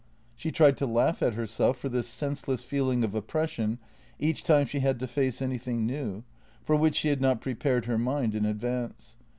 She tried to laugh at herself for this senseless feeling of oppression each time she had to face anything new, for which she had not prepared her mind in advance.